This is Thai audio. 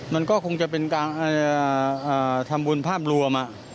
มันก็คงจะเป็นการทำบุญภาพรวม